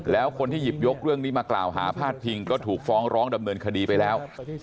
แล้วคนที่หยิบยกเรื่องนี้มากล่าวหาพาดพิงก็ถูกฟ้องร้องดำเนินคดีไปแล้ว